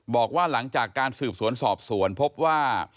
บอกว่าหลังจากการสืบสวนสอบสวนพบว่า